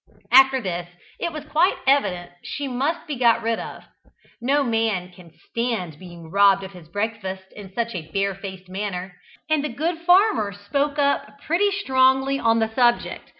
After this it was quite evident that she must be got rid of. No man can stand being robbed of his breakfast in such a barefaced manner, and the good farmer spoke up pretty strongly on the subject.